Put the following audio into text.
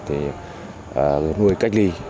thì nuôi cách ly